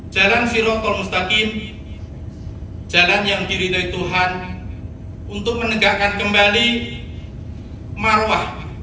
jalan firotol mustakin jalan yang diridai tuhan untuk menegakkan kembali marwah